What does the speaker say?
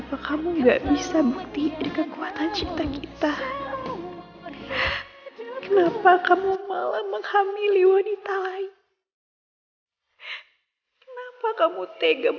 aku gak tau apa yang harus aku bilang ke mereka